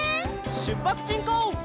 しゅっぱつしんこう！